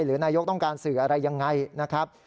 หรือนายกต้องการสื่ออะไรยังไงนะครับ